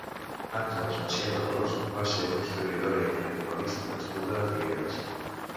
Àngels Masià de Ros va ser una historiadora i medievalista nascuda a Figueres.